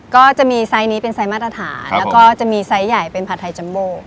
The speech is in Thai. ก็จะมีไซส์นี้เป็นไซส์มาตรฐานแล้วก็จะมีไซส์ใหญ่เป็นผัดไทยจัมโบ